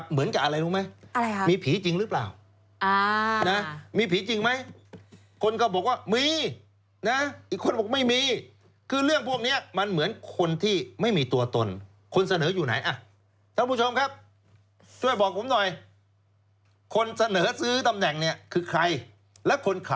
เหมือนกับอะไรรู้ไหมมีผีจริงหรือเปล่า